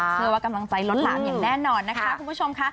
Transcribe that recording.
เชื่อว่ากำลังใจลดหลามอย่างแน่นอนนะคะคุณผู้ชมค่ะ